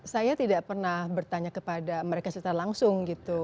saya tidak pernah bertanya kepada mereka secara langsung gitu